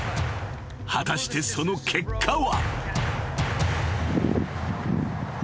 果たしてその結果は］